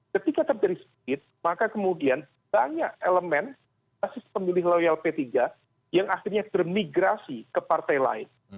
ketika terjadi speed maka kemudian banyak elemen basis pemilih loyal p tiga yang akhirnya bermigrasi ke partai lain